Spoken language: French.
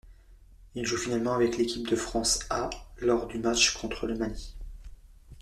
Il joue finalement avec l'équipe de France A’ lors du match contre le Mali.